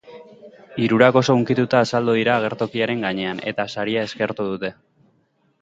Hirurak oso hunkituta azaldu dira agertokiaren gainean, eta saria eskertu dute.